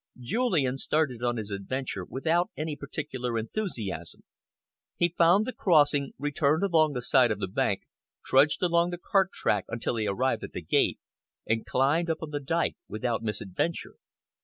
Julian started on his adventure without any particular enthusiasm. He found the crossing, returned along the side of the bank, trudged along the cart track until he arrived at the gate, and climbed up on the dyke without misadventure.